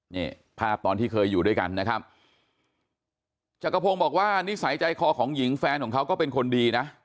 นี่ภาพตอนที่เคยอยู่ด้วยกันนะครับจักรพงศ์บอกว่านิสัยใจคอของหญิงแฟนของเขาก็เป็นคนดีนะ